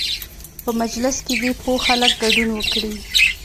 په مجلس کې دې پوه خلک ګډون وکړي.